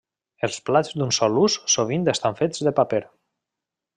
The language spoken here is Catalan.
Els plats d'un sol ús sovint estan fets de paper.